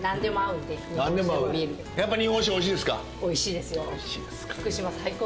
やっぱ日本酒おいしいですか？